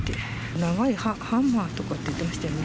長いハンマーとかって言ってましたよね。